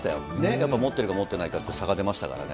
やっぱ持ってるか持ってないかって差がありましたからね。